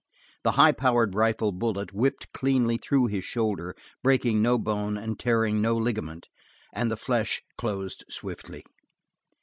The high powered rifle bullet whipped cleanly through his shoulder, breaking no bone and tearing no ligament, and the flesh closed swiftly.